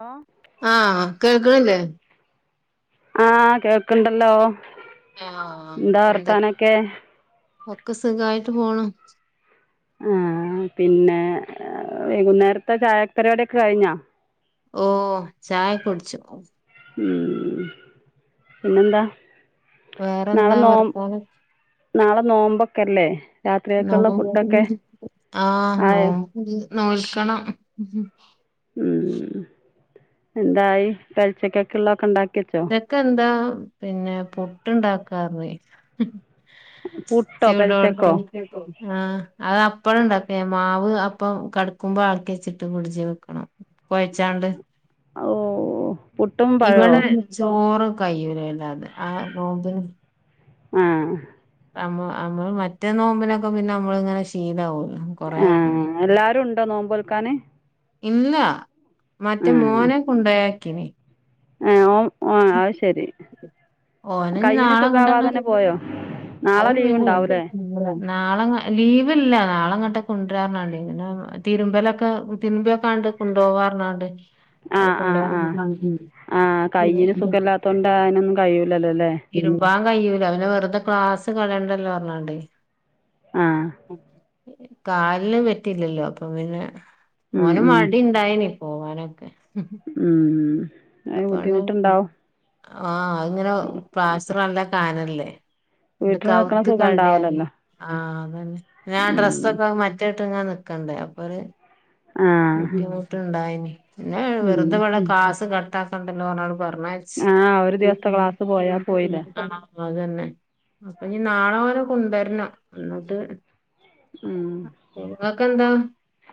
ആ ആ കേൾക്കണില്ലേ ആ കേക്ക്ണ്ടല്ലോ ആഹ് എന്താ എന്തെ വർത്താനൊക്കെ ഒക്കെ സുഖായിട്ട് പോണു ആ പിന്നെ വൈകുന്നേരത്തെ ചായപരിപാട്യൊക്കെ കഴിഞ്ഞൊ ഓ ചായ കുടിച്ചു ഉം പിന്നെന്താ നാളെ വേറെന്താ നോ വർത്താനം നാളെ നോമ്പ്ക്കെല്ലേ ആ ആയോ നോമ്പ് നോൽക്കണം ഉം എന്തായി പെൽ ച്ചെക്കേക്ക്ള്ളഒക്കെ ഉണ്ടാ പേൽച്ചേക്ക്ന്താ പിന്നെ പുട്ട് ഇണ്ടാക്കാറ്ഞ്ഞു പുട്ടോ പെൽച്ചക്കോ ചുടോട്കാനെ ആ അഹ് അത പ്പണ്ട് ഇണ്ടാക്കചിയ്യ മാവ് അപ്പം കടക്കുമ്പോ ആട്ടിയെച്ച്ട്ട് ഫ്രഡ്ജ് വെക്കണം കൊഴ്ച്ചാണ്ട് ഓ ഇവടെ ചോറ് കയ്യൂലല്ലാതെ ആ നോമ്പ്ന് ആ നമ്മ നമ്മൾ മറ്റേ നോമ്പിനൊക്കെ പിന്നെ നമ്മള് ഇങ്ങനെ ശീണാവും ഏഹ് എല്ലാരും ഉണ്ടോ നോമ്പോൽക്കാന് ഇന്നാ മറ്റേ മോനെകൊണ്ടാക്കിനീ ആഹ് ആ അഹ്ശേരി ഓന് കൈയിന് സുഖാവാതന്നെ പോയോ നാളെ അഹ് ലീവ് പിന്നെ ഉണ്ടാവൂലേ [unintelligible] നാളെ ലീവ് ല്ല നാളെ ഇങ്ങട്ട് കൊണ്ട് രാ പറ്ഞ്ഞാണ്ട് ഇങ്ങനെ തിര്മ്പലൊക്കെ തിരുമ്പിയൊക്കാണ്ട് കൊണ്ടോവാ ആ ഇണ്ട് ആ ആ ആ ആഹ് കൈയ്യിന് സുഖല്ലാത്തോണ്ട അവനൊന്നും കഴി ലല്ലോല്ലേ കയ്യൂലാ അവന് വെറ്തെ ക്ലാസ് കളയണ്ടല്ലോ പറഞ്ഞാണ്ടേയ് ആ കാലിന് പറ്റില്ലല്ലോ അപ്പൊ പിന്നെ ഉം ഓന് ഉം മടിണ്ടായന്‌ പോവാനൊക്കെ ഉം അയ്‌ന് ബുദ്ധിമുട്ട്ണ്ടാവും ആ അഹ്ങ്ങനെ പ്ലാസ്റ്ററ് നല്ല കനല്ലേ ഇണ്ട് വീട്ടിൽ നിൽക്കണ കൗത്ത് സുഖം കടയാണ് ഉണ്ടാവൂലല്ലോ ആ പിന്ന ആ ഉം ഡ്രസ്സൊക്കെ മറ്റേയിട്ട് ഇങ്ങനെ നിക്ക്ണ്ട് അപ്പോര് ആ ബുദ്ധിമുട്ട്ണ്ടായിനി പിന്നെ ഉം വെറ്തെവടെ കാസ് കട്ടാക്കണ്ടല്ലോ പറഞ്ഞ് പർഞ്ഞായ്ച്ച് ആ ഒരു ദിവസത്തെ ക്ലാസ് പോയാ പോയില്ലേ [unintelligible] അതന്നെ അപ്പന്ന് നാളെ ഓനെ കൊണ്ടെരണം അന്നിട്ട് ഉം ങ്ങക്കെന്താ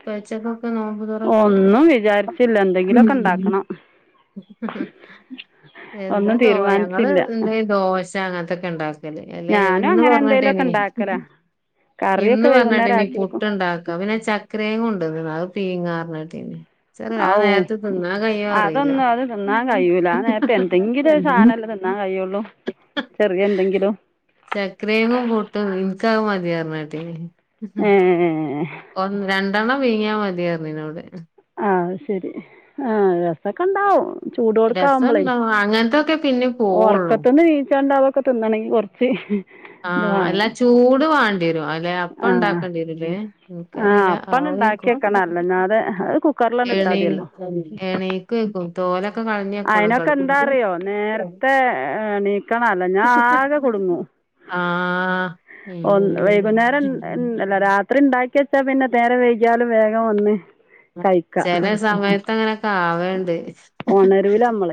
പേൽച്ചേക്ക് നോമ്പ്തോറക്ക് ഒന്നും വിചാരിച്ചില്ല എന്തെങ്കിലുമൊക്കെ ഉണ്ടാക്കണം [unintelligible] എന്താ ഒന്നും ദോ ഞങ്ങള് തീരുമാനിച്ചില്ല എന്തേ ദോശ അങ്ങൻത്തൊക്കെ ഇണ്ടാ ക്കല് അല്ല ഞാനും എവ്ട്ന്ന് അങ്ങനെ എന്തേലുമൊക്കെ പറഞ്ഞ്ട്ടേനീ ഉണ്ടാക്കലാ കറിയൊക്കെ ഇന്ന് വൈകുന്നേരം പറഞ്ഞാല്നീ ആക്കി വെക്കും പുട്ട്ണ്ടാക്ക പിന്നെ ചക്രങ്ങ് കൊണ്ടാന്നിന്നു അത് പീങ്ങാർനതെന്നു ഔ അറിയില്ല അത്ഒന്നും അത് തിന്നാൻ കയ്യൂല ആ നേരത്ത് എന്തെങ്കിലും ഒര് സാനള്ളത് തിന്നാൻ കയ്യൊള്ളൂ ചെറിയ എന്തെങ്കിലും ചക്രങ്ങും പുട്ടും ഇൻക്ക്‌ ആന് മതിയാർന്നുക്കെട്ടെനെ ഏഹ്ഹ് ഒന്ന് രണ്ടെണ്ണം പുയ്ങ്ങിയാ മതീ പർഞ്ഞുന്നോട് അഹ് ശെരി ആ രാസൊക്കെണ്ടാവും ചൂടോട്ക്ക ആവുമ്പളെ രസണ്ടാവും അങ്ങനത്തൊക്കെ പിന്നിം പോവുള്ളൂ ഒറക്കത്തിന്ന് നീച്ചാണ്ടൊവോക്കെ തിന്നണെങ്കി കൊറച്ച് ആഹ അല്ലാ ചൂട് വാ ണ്ടെരും അഹ്‌ല്ലേ അപ്പ ആ ഇണ്ടാക്കേണ്ടരൂല്ലേ ആ ഇൻക്കാറില്ല അപ്പണ്ട് ഉണ്ടാക്കി ആവേര്ക്കും വെക്കണം അല്ലാതെ അത് കുക്കറിലണ്ട് ഇട്ടാൽ മതിയല്ലോ എണീക്കും എണിക്കായിരിക്കും അയ്നൊക്കെ എന്താ അറിയോ നേരത്തെ എണീ ക്കണം അല്ല ഞാ ആകെ കുടുങ്ങും ആഹ് ഒ ഉം വൈകുന്നേരം ൻ അല്ല രാത്രി ണ്ടായി ക്കു സെന്നെ പിന്നെ നേരം വൈകിയാലും വേഗം ഒന്ന് ചെലെ സമയത്ത് അങ്ങനെയൊക്കെ ആവണ്ട് ഉണരൂല നമ്മൾ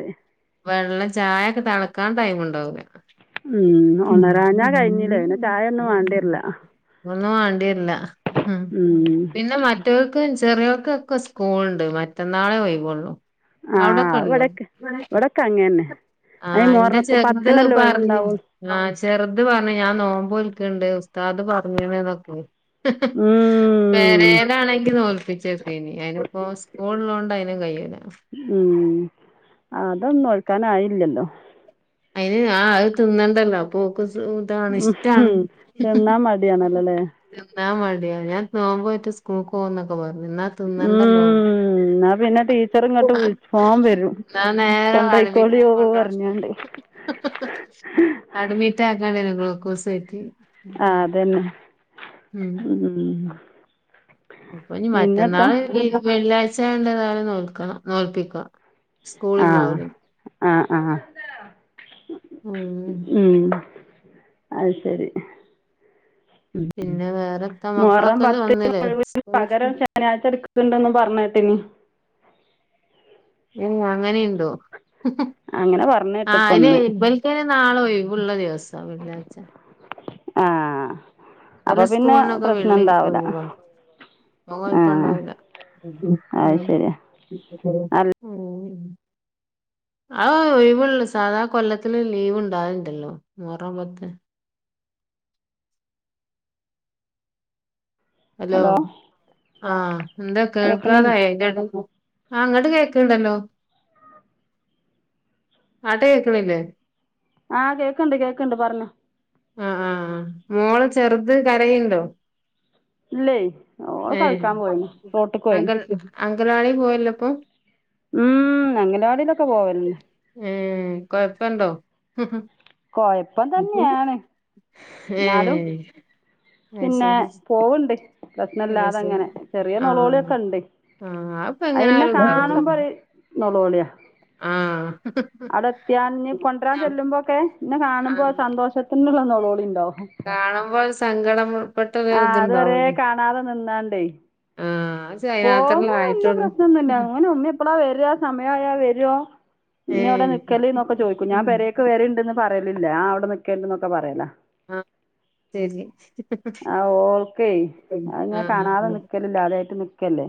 വെള്ളം ചായൊക്കെ തളക്കാൻ ടൈമ ഉണ്ടാവൂല്ല ഉം ഉണരാഞ്ഞാൽ കഴിഞ്ഞില്ലേ പിന്നെ ചായ ഒന്നും വേണ്ടി വരില്ല ഒന്നും മാണ്ടിരൂല പിന്നെ മറ്റവർക്ക് ചെറിയൊക്കെ ഒക്കെ സ്കൂൾണ്ട് മറ്റന്നാളെ ഒഴിവുള്ളു ആ അവിടെ ഒക്കെ ഇല്ലെ ഇവിടെയൊക്കെ ഇവിടെയൊക്കെ അങ്ങനെ തന്നെ അതിന് ആഎന്റെ മുഹറത്ത് ചെറുത് പത്തിനല്ലേ പറഞ്ഞു ഒഴിവുണ്ടാവുള്ളൂ ആ ചെറുത് പറഞ്ഞു ഞാൻ നോമ്പോല്ക്കാൻ, ണ്ട് ഉസ്താദ് പറഞ്ഞണ് എന്നൊക്കെ പെരലാണെങ്കി നോല് പിടിച്ചേനി അതിനിപ്പോൾ സ്കൂളിൽണ്ട് അതിനും കഴിയൂല ഉം അതൊന്നും നോൽക്കാൻ ആയില്ലല്ലോ അയിന് ആ അത് തിന്നേണ്ടല്ലോ അപ്പൊ കുസു ഇതാണ് ഇഷ്ടാണ് ഉം തിന്നാൻ മടിയാണല്ലോല്ലേ ഞാൻ മടിയ ഞാൻ തോമ്പോറ്റ് സ്കൂൾ പോകന്നൊക്കെ പറഞ്ഞു ന്നാ തിന്നണ്ടല്ലോ ഉം എന്നാ പിന്നെ ടീച്ചർ ഇങ്ങോട്ട് വിളിച്ചു ഫോൺ വരും എന്നാ നേരെ അഡ്മിറ്റിന് കൊണ്ടയിക്കോളിയോ കൊണ്ടോണം പറഞ്ഞണ്ട് ഉ അട്മിറ്റ് ആക്കാണ്ടേരും ഗുൾക്കോസ് കയറ്റി ആ ഉം അതന്നെ ഉം ഇപ്പൊ ഞ് പിന്നെത്താ മറ്റന്നാള് വെള്ളിയാഴ്ചയോണ്ട് ഏതായാലും നോൽക്ക നോല്പ്പിക്ക സ്കൂളിൽ നിന്ന് ആഹ് ആ ഉം ഉം അത് ശരി ഉം പിന്നെ വേറെത്താ മോഹറാം മക്കളൊക്കെ പത്തിന് വന്നില്ലേ ഒഴിവുള്ളത് സ്കൂൾക്ക് പകരം ശനിയാഴ്ച എടുക്കും ണ്ടന്ന് പറഞ്ഞേട്ടിനി ഏ അങ്ങനെയുണ്ടോ അങ്ങനെ പറഞ്ഞ് ആ കേട്ട് ഇപ്പം ഇന്ന് അന്ഇബൽക്കന നാളെ ഒഴിവ് ഫ്രീയുള്ള ദിവസ വെള്ളിയാഴ്ച ആഹ ഇവലെ സ്കൂളിനൊക്കെ വെള്ളി ഒഴിവ ആ ആഹ് കൊയപ്പണ്ടാവൂല അത് ശരിയാ അല്ല ഉ ആ ഒഴിവുള്ള സാധാ കൊല്ലത്തില് ഒരു ലീവ് ഉണ്ടാവലുണ്ടായിരുന്നു വേറെന്നുല്ല ഹലോ ആഹ എന്താ കേക്കണില്ലേ കേൾക്കാനയോ അതിന്റെടയിൽ ആ ഇങ്ങട്ട് കേക്കണ്ടല്ലോ അങ്ങട്ട് കേക്കണില്ലേ ആഹ് കേക്കണ്ട് കേക്കണ്ട് പറഞ്ഞോ ആ ആഹ് മോളെ ചെറുത് കരയുണ്ടോ ഇല്ലേ ഓള് ആ കളിക്കാൻ പോയിണ് റോട്ട്ക്ക് അംഗ പോയിണ് അംഗനവാടി പോയല്ലപ്പം ഉം അംഗനവാടിയിലൊക്കെ പോവലുണ്ട് ഉം കൊഴപ്പണ്ടോ ഉം ഉം കൊഴപ്പം തന്നെയാണ് ഏ എന്നാലും പിന്നെ അയ്ശരി പോവണ്ട് പ്രശ്നല്ലാതെ അയ്ശരി അങ്ങനെ ചെറിയ ആഹ് നോലോളിയൊക്കെ ഉണ്ട് ആഹ് അത്പ്പ അയിന്നെ എങ്ങനായാലും കാണുമ്പോരൂ നോളോളിയാ ആഹ അവിടെ എത്തിയാൽ കൊണ്ടുവരാൻ ചെല്ലുമ്പോൊക്കെ എന്നെ കാണുമ്പോ സന്തോഷത്തിന്റെള്ള നളോളിണ്ടാവും കാണുമ്പോൾ സങ്കടംപ്പെട്ട ആ അതുവരെ കാണാതെ നിന്നാണ്ടേ ആഹ് അത് അതിനാത്രല്ലേ പോകുമ്പോ വല്ല ആയിട്ടുള്ളൂ പ്രശ്നംന്നില്ല അങ്ങനെ ഉമ്മ എപ്പഴാ വ വരാ സമയയാൽ വരോ ഇമ്മയോടെ ഏഹ് നൽക്കല എന്നൊക്കെ ചോയിക്കും ഞാൻ പരക്കക്ക് വണ്ടന്ന് പറ പറലില്ലല്ല ആ അവിടെ നിക്കക്കല്ലന്നൊക്കെ പറയല ആഹ ശരി ആ ഓൾക്ക അങ്ങെ ആഹ് കാണാതെ നിക്കലില്ല അതായിട്ട് നിക്കല്ലേ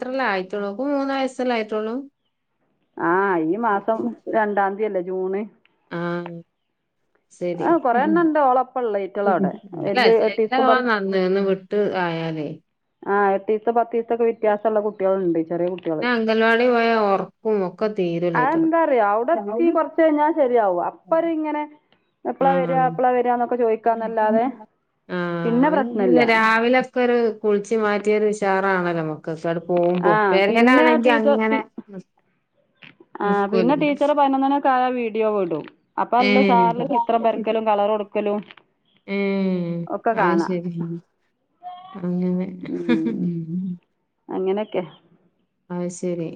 ത്ര ആയിട്ടുള്ളൂ ഇപ്പ മൂന്ന് വയസല്ല ആയിട്ടുള്ളൂ ആഹ ഈ മാസം രണ്ടാംതിയല്ലേ ജൂണ് ആഹ ശരി ആ കൊറേ എണ്ണം ഉണ്ട് ഓളപ്പള്ള ഈറ്റളവിടെ അല്ല വല്യ ച എട്ടീസം പത്ത് നന്ന ഒന്ന് വിട്ട് ആയാലേ ആ എട്ടീസ പത്ത്സൊക്കെ വ്യത്യാസമുള്ള കുട്ടികളുണ്ട് ചെറിയ കുട്ടികള് പിന്നെ അംഗൻവാടി പോയാ ഒറക്കും ഒക്കെ തീരൂല അയ്റ്റള് അെന്താറ അവിടെത്തി കൊറച്ച കഴിയിപ്പം അപ്പ ഇങ്ങനെ എപ്പളാ വരി ആഹ് അപ്പളെ വര എന്നൊക്കെ ചോദിക്കാന്നല്ലാതെ ആഹ പിന്നെ പ്രശ്നല്ല അവന രാവിലൊക്കെ ഒരു കുളിച്ചി മാറ്റിയൊരുഷാറാണല്ലോ നമുക്ക് അങ്ങട് പോകുമ്പോ ആഹ് പേരങ്ങനൊണെങ്കി അങ്ങനെ നിക്കും ആ പിന്നെ ടീച്ചറ് പതിനൊന്ന് മണിയാകുമ്പോൾ വീഡിയോ വിടും അപ്പ അല്ല ഏഹ് സാറിലൊക്ക ഇത്രം പരക്കലും കളർ കൊടുക്കലും ഒക്കെ മം അത് കാണാ ശരി അങ്ങന അങ്ങനൊക്കെ അ ശരി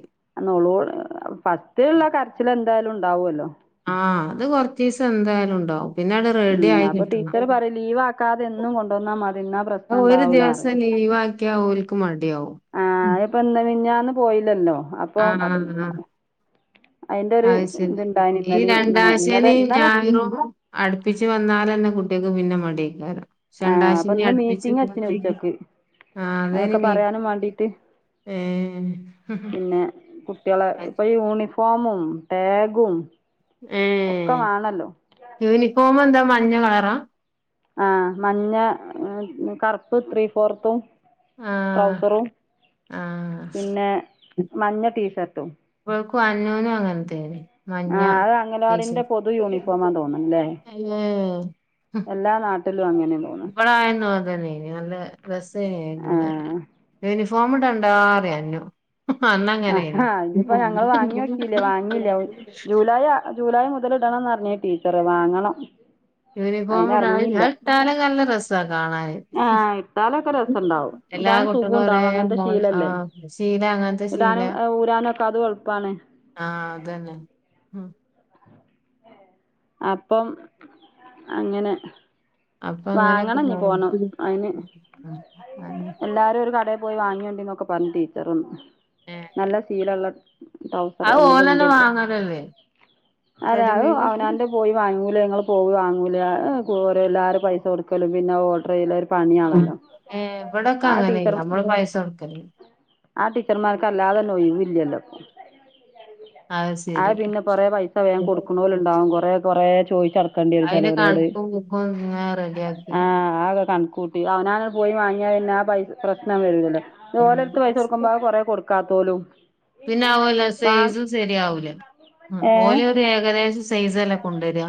ള ഫസ്റ്റുള്ള കരച്ചില എന്തായാലും ഉണ്ടാവല്ലോ ആഹ അത് കൊറച്ച് ദിവസം എന്തായാലും ഉണ്ടാവും പിന്നെ അവിടെ റെഡി ഉം ആയി അപ്പൊ കിട്ടണം ടീച്ചർ പറയും ലീവ് ആക്കാതെ എന്നും കൊണ്ടുവന്നാ മതിന്നാ പ്രശ്നം ഇണ്ടാവൂലറ നീവാക്കിയാഓലക്ക് മടിയാവോ ആഹ് അതിപ്പോ എന്ത് മിനിഞ്ഞാന്ന് പോയില്ലല്ലോ ആഹ ആഹ് അയി അത് ശരി ഈ രണ്ടാഴ്ചേന ഇന്നലെ ഇന്നലെ ഞായറും അടുപ്പിച്ച് വന്നൽന്നെ കുട്ടികക്ക് പിന്ന മടേക്കാരം ആഹ് അപ്പൊ ഷണ്ടാശിനെ ഇന്ന് അടുപ്പിച്ച് മീറ്റിംഗ് വെച്ചിന് ഉച്ചക്ക് ആ അതന് അതൊക്കെ മീ പറയാനും വാണ്ടീട്ട് ഏ ള ഇപ്പൊ യൂണിഫോമും ടാഗും ഏ ഒക്കെ വേണല്ലോ യൂണിഫോം എന്താ മഞ്ഞ കളറാ ആ മഞ്ഞ കറുപ്പ് ത്രീ ഫോർത്തും ആ ട്രൗസറും ആ പിന്നെ മഞ്ഞ ടീഷർട്ടും അന്നുനും അങ്ങനെത്തേ മഞ്ഞ ആഹ് അത് അംഗനവാടിന്റെ പൊതു യൂണിഫോമാ തോന്ന്ണ്ല്ലേ എല്ലാ നാട്ടിലും അങ്ങനെയാ തോന്ന്ണ് ഇവിടായന്നു അതന്നെ ഇനി നല്ല രസേന ആഹ് ആയിന്ന യൂണഫോമ ഇടണ്ടറിയ അന്നു അന്നങ്ങനെനി ഇപ്പൊ ഞങ്ങൾ വാങ്ങി നോക്കിയില്ലേ വാങ്ങില്ല ജൂലൈ ജൂലൈ മുതൽ ടണംന്ന് പറഞ്ഞ ടീച്ചറ് വാങ്ങണം യുണിഫോം ഇടായി അതിനെറങ്ങിയില്ല അഇട്ടലൊക്കെ നല്ല രസ ആ ഇട്ടാലൊക്കെ രസംണ്ടാവു എല്ലാ ഇടാനും നസുഖം കുട്ടികളും ഒരേ ഉണ്ടാവും അങ്ങനത്തെ മോഡ ആ ശീലല്ലേ ശീല അങ്ങനത്തെ ശീല ഇടാനും ഊരാനുക്കെ അത് കൊഴപ്പാണ് ആ അതന്നെ ഉ അപ്പം അങ്ങനെ അപ്പൊ അങ്ങനൊക്കെ വാങ്ങണം നീ പോവും പോണം അതിന് അതെന്നെ എല്ലാരും ഒരു കട പോയി വാങ്ങിയോണ്ടന്നൊക്കെ പറഞ്ഞു ടീച്ചറന്നും ഏ നല്ല സീലുള്ള ടൗസർ അത് ഓലന്നെ എന്നത്ണ്ട്ണ്ട് വാങ്ങലല്ലേ അരോ റെഡിമെയ്ഡ് അവനാന്റെ പോയി വാങ്ങ ഞങ്ങൾ പോവൂ വാങ്ങൂല ഏഹ് ഓരെല്ലാരും പൈസ കൊടുക്കലും പിന്നെ ഓർഡറെയ്യലും ആ ഏ ഇബടൊക്കെ അങ്ങനെനി ടീച്ചർ നമ്മള് പൈസ കൊടുക്കല് ആ ടീച്ചർമാർക്ക അല്ലാതെന്നോയിവില്ലല്ലോ. [inaudible] അത് ശരി. പൈസ വേഗം കൊടുക്കണോലുണ്ടാവും [unintelligible] കൊറേ കൊറേ ചോദിച്ചടക്കേണ്ടി വരും [unintelligible] ചെലോലോട് റെഡിയാക്കി കൂട്ടി. അവനാൻ പോയി വാങ്ങിയാൽ പിന്നെ ആ പ്രശ്നം വരൂലല്ലൊ. ഇത് ഉം ഓലെട്ത്ത് പൈസ കൊടുക്കുമ്പോ അത് കൊറെ കൊടുക്കാത്ത പോലും പിന്നെ അതല്ല, സൈസും സരിയാവൂല. ഓല് ഒരു ഏഹ് ഏകദേശം സൈസ് [unintelligible] അല്ലേകൊണ്ടരി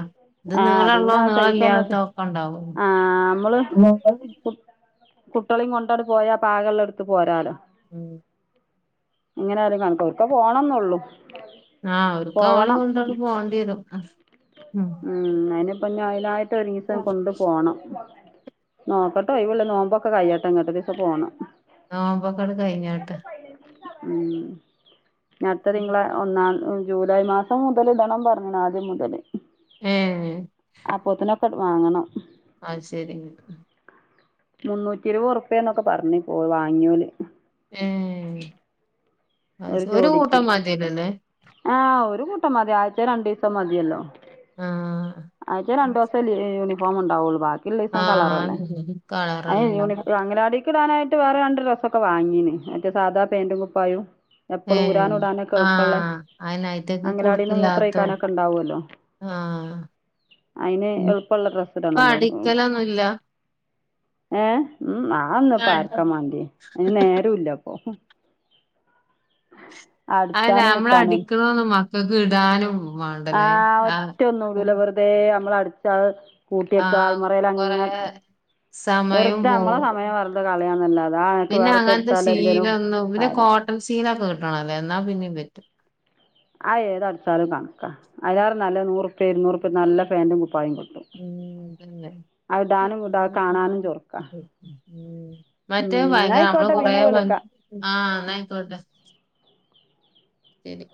ഇത് ആഹ് നിളള്ളോ പിന്നെ ആ സൈസ് ഒന്ന് നിളല്ലാത്തോ ഒക്കെ ഉണ്ടാവും. ആഹ് നമ്മള് കു കുട്ട്യളീം കൊണ്ടണ് പോയാ പാകളളത് ഇട്ത്ത് പോരാലൊ. ഉം ഇങ്ങനെ ആരും കണിക്ക ഇപ്പോ പോണന്നൊള്ളൂ. ആഹ് അവർക്ക് ഓളിം കൊണ്ടാണ് പോകണ്ടി വരും. ഉം അതിനിപ്പ അയിനായിട്ട് ഒരിവസം കൊണ്ടു പോണം നോക്കട്ടെ ഒഴുവ്ള്ള നോമ്പൊക്കെ കയ്യട്ടെ ഇന്ന്ട്ട് ഒരീസം പോണം. നോമ്പൊക്കണ് കയിഞ്ഞോട്ടെ. ഉം ഇനി അടുത്ത [unintelligible] ഒന്നാ ജൂലൈ മാസം മുതല് ഇടണം പറഞ്ഞ്ണ്, ആദ്യം മുതല്. ഏഹ് അപ്പോത്തിനെ [unintelligible] വാങ്ങണം. ആ ശരി. മുന്നൂറ്റിരുപത് ഉറുപ്പ്യെന്നൊക്കെ പറഞ്ഞ് പോയി വാങ്ങിയോല് ഏ അത് ശരി. ഒരു കൂട്ടം മത്യല്ലലേ? ആഹ് ഒരു കൂട്ടം മതി, ആയ്ച്ചേ രണ്ടീസം മതിയല്ലോ. ആഹ് ആഴ്ച്ചേ രണ്ടു ദിവസം ലീ ഏ യൂണി യൂനിഫൊംണ്ടാവുള്ളൂ ബാക്കിള്ളീസം കളറല്ലേ. ആഹ് അയി കളറെല്ലാം യൂണി ഉണ്ടാവും അങ്കണവാടി [unintelligible] വേറെ രണ്ട് ഡ്രസ്സൊക്കെ വാങ്ങീന് മറ്റ സാധാ പാന്റും കുപ്പായും എപ്പളും ഏഹ് ഊരാനും, ഇടാനൊക്കെ എൾപള്ളെ, ആഹ് അയിന് അയിറ്റക്ക് അങ്കണവാടീന്ന് മൂത്രെയ്ക്കാനൊക്കെണ്ടാവല്ലൊ ആ അതിന് എളുപ്പള്ള ഡ്രസ്സ് ഇടണല്ലോ [unintelligible] അടിക്കലൊന്നുല്ല ഏ ഉം ആ ഒന്നുപ്പൊ ആർക്കാ മാണ്ടി. അയ്ന് നേരൂല്ലപ്പൊ [inaudible] അല്ല അട്ച്ചാനും, നമ്മള കുത്താനും. അടിക്കണന്ന് മക്കൾക്ക് ഇടാനും ആ വേണ്ടല്ലേ ആ ഒറ്റൊന്ന്ടൂല വെർതെ വെർതേ നമ്മള് അടിച്ചു അത് കൂട്യേക്ക ആഹ് കൊറെ ആൽമറേലങ്ങനെ സമയം വെർതെ നമ്മളെ പോവും സമയം വെർതെ കളയാന്നല്ലാതെ, ആ നെലക്ക് പിന്നെ അങ്ങനത്തെ വേറെത്തേട്ത്താൽ എന്തേലും ശീലൊന്നും കാര്യം [unintelligible] എന്നാ പിന്നേം പറ്റും ആ ഏതട്ചാലും കണക്കാ. അയ്ലാറെ നല്ല നൂറുപ്പ്യ, ഇരുന്നൂറുപ്പ്യ നല്ല പാന്റും കു കുപായം കിട്ടും [unintelligible] [inaudible] അത് ഇടാനും ഇടാ കാണാനും ചൊറുക്കാ ഉം മറ്റേ എന്നാ ഭയങ്കര നമ്മള് ആയിക്കോട്ടെ കൊറേ പിന്നെ വിളിക്കാം ആ എന്ന് ആയിക്കോട്ടെ ശരി.